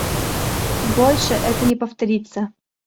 Больше это не повторится.